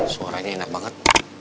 suaranya enak banget